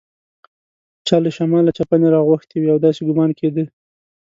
چا له شماله چپنې راغوښتي وې او داسې ګومان کېده.